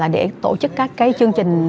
để tổ chức các chương trình hội thạm